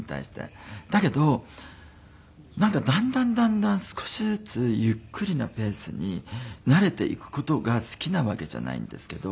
だけどなんかだんだんだんだん少しずつゆっくりなペースに慣れていく事が好きなわけじゃないんですけど。